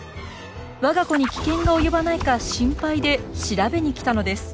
わが子に危険が及ばないか心配で調べに来たのです。